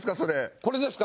これですか？